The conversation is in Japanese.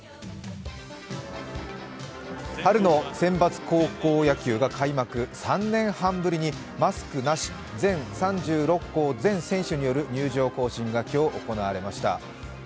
春のセンバツ高校野球が開幕、３年半ぶりにマスクなし、全３６校全選手による入場行進が今日行われました。